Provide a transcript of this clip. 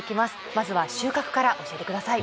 まずは収穫から教えてください。